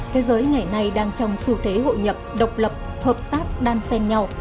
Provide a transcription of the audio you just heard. thế giới ngày nay đang trong sự thế hội nhập độc lập hợp tác đan xen nhau